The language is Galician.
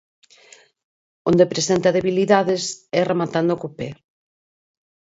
Onde presenta debilidades e rematando co pé.